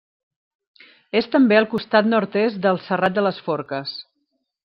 És també al costat nord-est del Serrat de les Forques.